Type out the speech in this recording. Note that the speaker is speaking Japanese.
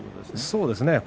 そうです。